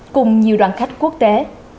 cùng nhiều đoàn khách quốc tế